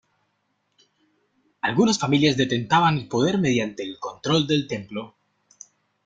Algunas familias detentaban el poder mediante el control del templo.